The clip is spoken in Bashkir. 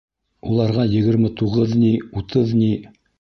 Уларға егерме туғыҙ ни, утыҙ ни.